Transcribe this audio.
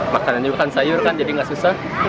makanan juga kan sayur kan jadi nggak susah